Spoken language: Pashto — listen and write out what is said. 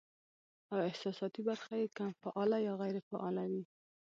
او احساساتي برخه ئې کم فعاله يا غېر فعاله وي